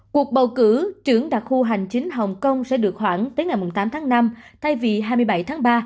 cuộc bầu cử trưởng đặc khu hành chính hồng kông sẽ được khoảng tới ngày tám tháng năm thay vì hai mươi bảy tháng ba